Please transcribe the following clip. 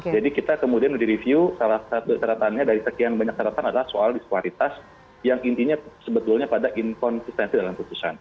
jadi kita kemudian direview salah satu catatannya dari sekian banyak catatan adalah soal disparitas yang intinya sebetulnya pada inkonsistensi dalam putusan